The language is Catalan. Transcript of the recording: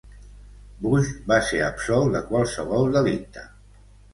Bush va ser absolt de qualsevol delicte.